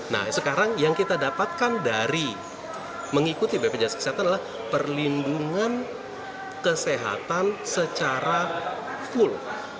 nah sekarang yang kita dapatkan dari mengikuti bpjs kesehatan adalah perlindungan kesehatan secara full